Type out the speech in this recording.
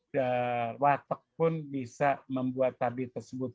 dan warteg pun bisa membuat tabir tersebut